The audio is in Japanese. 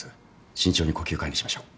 慎重に呼吸管理しましょう。